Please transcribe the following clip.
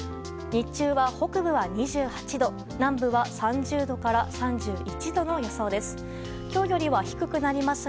日中は、北部は２８度南部は３０度から３１度の予想です。